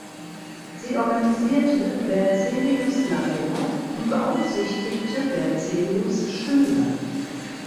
Sie organisierte Berzelius Labor und beaufsichtigte Berzelius Schüler.